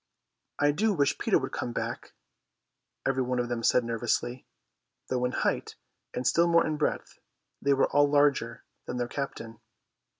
"I do wish Peter would come back," every one of them said nervously, though in height and still more in breadth they were all larger than their captain.